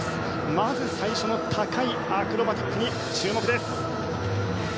まず最初の高いアクロバティックに注目。